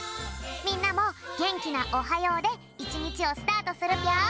みんなもげんきな「おはよう」でいちにちをスタートするぴょん。